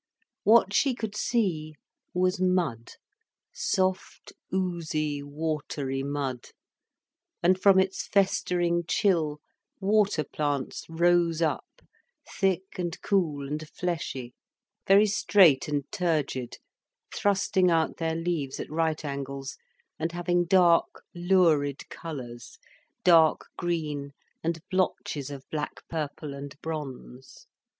What she could see was mud, soft, oozy, watery mud, and from its festering chill, water plants rose up, thick and cool and fleshy, very straight and turgid, thrusting out their leaves at right angles, and having dark lurid colours, dark green and blotches of black purple and bronze.